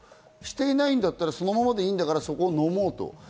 していないんだったらそのままでいいんだから、そこをのもうと。